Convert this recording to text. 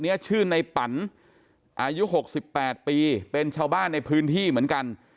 ชื่อในปั่นอายุ๖๘ปีเป็นชาวบ้านในพื้นที่เหมือนกัน